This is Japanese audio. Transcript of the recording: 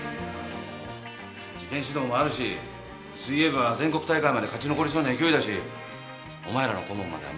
受験指導もあるし水泳部は全国大会まで勝ち残りそうな勢いだしお前らの顧問までは無理だよ。